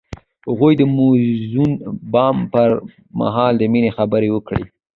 هغه د موزون بام پر مهال د مینې خبرې وکړې.